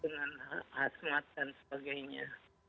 dengan hazmat dan sebagainya